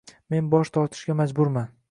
Men bosh tortishga majburman.